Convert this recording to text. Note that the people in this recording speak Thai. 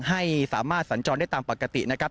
ให้สามารถสัญจรได้ตามปกตินะครับ